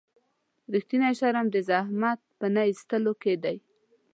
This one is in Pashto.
رښتینی شرم د زحمت په نه ایستلو کې دی.